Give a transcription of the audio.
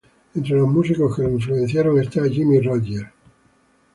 Entre los músicos que lo influenciaron está Jimmie Rodgers.